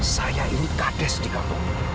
saya ini kades di kampung